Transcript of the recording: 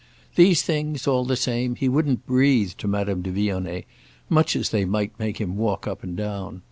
These things, all the same, he wouldn't breathe to Madame de Vionnet—much as they might make him walk up and down.